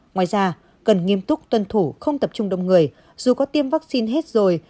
ngoài ra cần nghiêm túc tuân thủ không tập trung đông người dù có tiêm vaccine hết rồi